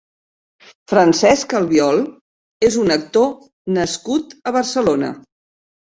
Francesc Albiol és un actor nascut a Barcelona.